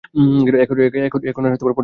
এখন আর পণ্ড করে দিও না।